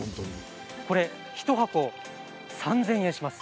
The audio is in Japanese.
これ１箱３０００円します。